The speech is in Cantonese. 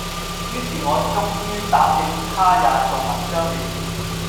于是我終于答應他也做文章了，